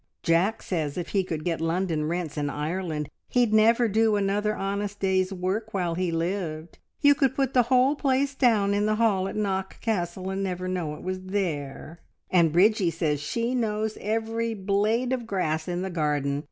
Jack says if he could get London rents in Ireland, he'd never do another honest day's work while he lived. You could put the whole place down in the hall at Knock Castle, and never know it was there, and Bridgie says she knows every blade of grass in the garden.